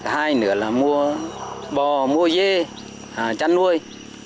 hai nữa là mua bò mua dê chăn nuôi